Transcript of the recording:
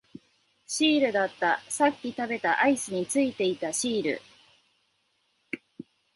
シールだった、さっき食べたアイスについていたシール